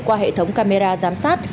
qua hệ thống camera giám sát